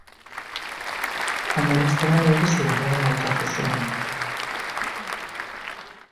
Joan den astean, minbizia duela aitortu zuen.